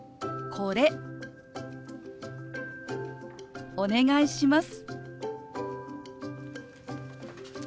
これお願いします。